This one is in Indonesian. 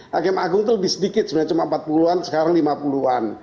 hakim agung itu lebih sedikit sebenarnya cuma empat puluh an sekarang lima puluh an